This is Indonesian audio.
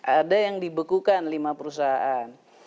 ada yang dibekukan lima perusahaan